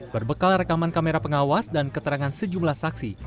berbekal rekaman kamera pengawas dan keterangan sejumlah saksi